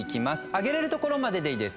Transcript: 上げれる所まででいいです。